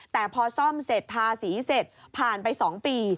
แต่พอซ่อมเสร็จทาสีเสร็จผ่านไป๒ปี